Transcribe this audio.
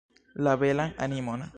La belan animon.